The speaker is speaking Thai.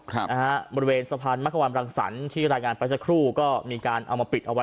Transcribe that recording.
ครับนะฮะบริเวณสะพานมะควันรังสรรค์ที่รายงานไปสักครู่ก็มีการเอามาปิดเอาไว้